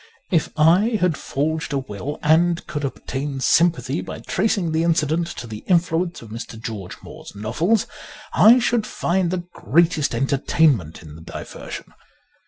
If I had forged a will, and could obtain sympathy by tracing the incident to the influence of Mr. George Moore's novels, I should find the greatest entertainment in the diversion.